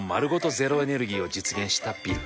ゼロエネルギーを実現したビル。